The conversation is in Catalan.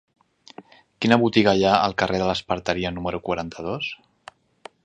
Quina botiga hi ha al carrer de l'Esparteria número quaranta-dos?